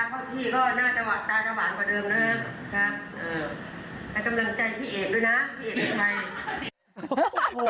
พี่เอกไม่ใช่